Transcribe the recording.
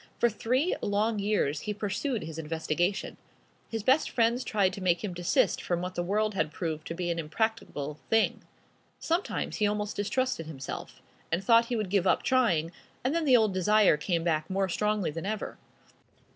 For three long years he pursued his investigations. His best friends tried to make him desist from what the world had proved to be an impracticable thing. Sometimes he almost distrusted himself, and thought he would give up trying, and then the old desire came back more strongly than ever.